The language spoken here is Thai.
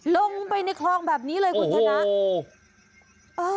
ลงไปในคลองแบบนี้เลยคุณธนักโอ้โฮโอ้โฮ